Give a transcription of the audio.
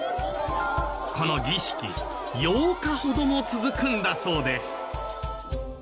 この儀式８日ほども続くんだそうです。